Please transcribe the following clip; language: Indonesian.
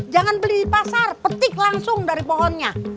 jangan beli pasar petik langsung dari pohonnya